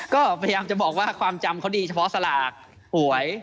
ก็พยายามจะบอกว่าความจำเขาดีเฉพาะสลากหวย